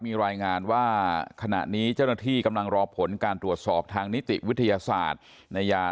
มีรายงานว่าขณะนี้เจ้าหน้าที่กำลังรอผลการตรวจสอบทางนิติวิทยาศาสตร์ในยา